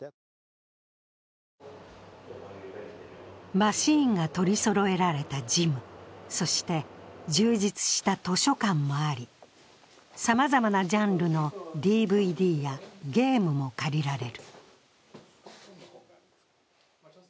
マシーンが取りそろえられたジム、そして充実した図書館もありさまざまなジャンルのＤＶＤやゲームも借りられる。